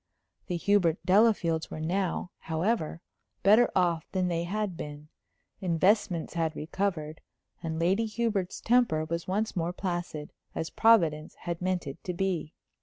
The Hubert Delafields were now, however, better off than they had been investments had recovered and Lady Hubert's temper was once more placid, as Providence had meant it to be.